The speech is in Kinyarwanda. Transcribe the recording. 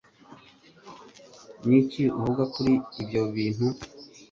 Niki uvuga kuri byo bintu?